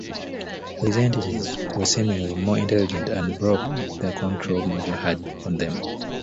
These entities were seemingly more intelligent and broke the control Mojo had on them.